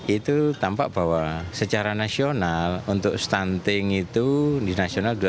itu tampak bahwa secara nasional untuk stunting itu di nasional dua puluh tujuh lima